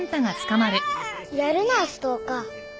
やるなストーカー。